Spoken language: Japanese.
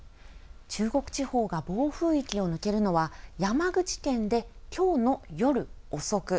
中国地方が暴風域を抜けるのは、山口県できょうの夜遅く。